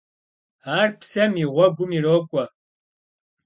Ар псэм и гъуэгум ирокӀуэ.